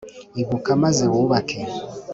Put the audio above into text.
ibuka, maze wubake.